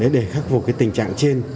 để khắc phục tình trạng trên